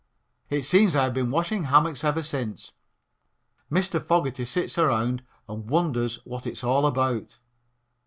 It seems I have been washing hammocks ever since. Mr. Fogerty sits around and wonders what it's all about.